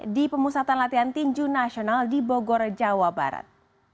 di pemusatan latihan tinju nasional di bogor jawa barat